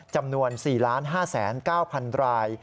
จำนวน๔๕๙๐๐ราย